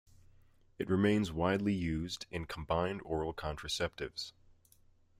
It remains widely used in combined oral contraceptives.